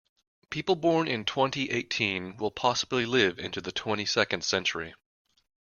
People born in twenty-eighteen will possibly live into the twenty-second century.